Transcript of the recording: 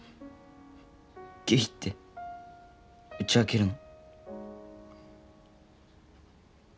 ゲイって打ち明けるの。